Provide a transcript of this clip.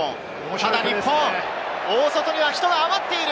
ただ日本、大外には人が余っている。